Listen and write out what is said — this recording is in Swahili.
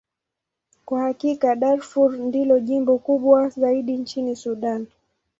Kwa hakika, Darfur ndilo jimbo kubwa zaidi nchini Sudan.